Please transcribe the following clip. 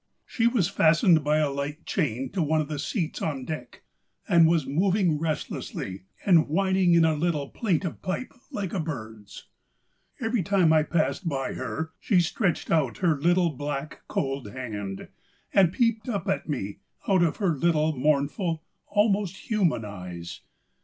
She was fastened by a light chain to one of the seats on deck, and was moving restlessly and whining in a little plaintive pipe like a bird's. Every time I passed by her she stretched out her little, black, cold hand, and peeped up at me out of her little mournful, almost human eyes.